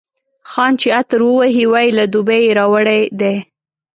خان چي عطر ووهي، وايي له دوبۍ یې راوړی دی.